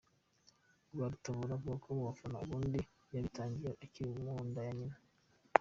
Rwarutabura avuga ko gufana ubundi yabitangiye akiri mu nda ya nyina.